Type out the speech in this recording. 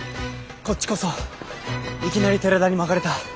こっちこそいきなり寺田にまかれた。